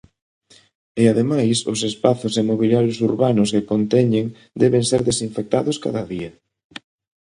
E ademais os espazos e mobiliarios urbanos que conteñen deben ser desinfectados cada día.